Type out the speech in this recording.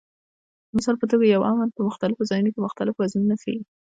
د مثال په توګه یو "امن" په مختلفو ځایونو کې مختلف وزنونه ښيي.